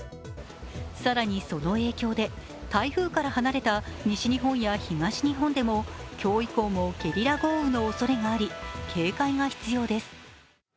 更に、その影響で台風から離れた西日本や東日本でも今日以降もゲリラ豪雨のおそれがあり警戒が必要です。